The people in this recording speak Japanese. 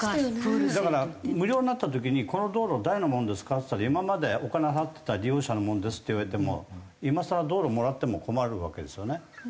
だから無料になった時にこの道路誰のものですかっていったら今までお金払ってた利用者のものですって言われても今更道路もらっても困るわけですよね。